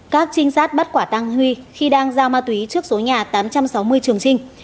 các trinh sát bắt quả tăng huy khi đang giao ma túy trước số nhà tám trăm sáu mươi trường trinh